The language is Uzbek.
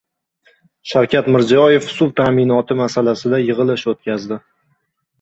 Shavkat Mirziyoyev suv ta’minoti masalasida yig‘ilish o‘tkazdi